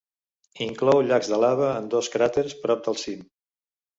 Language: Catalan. Inclou llacs de lava en dos cràters prop del cim.